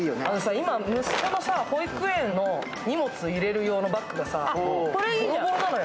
今、息子の保育園の荷物入れる用のバッグがぼろぼろなのよ。